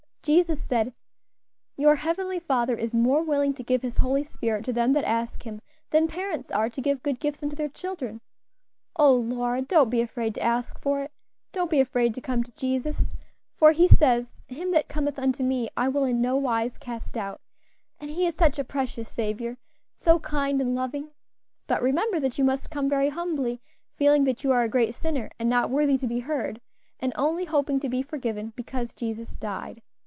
Jesus said, 'Your Heavenly Father is more willing to give His Holy Spirit to them that ask Him, than parents are to give good gifts unto their children. Oh, Lora! don't be afraid to ask for it; don't be afraid to come to Jesus, for He says, 'Him that cometh unto Me, I will in nowise cast out;' and He is such a precious Saviour, so kind and loving. But remember that you must come very humbly; feeling that you are a great sinner, and not worthy to be heard, and only hoping to be forgiven, because Jesus died.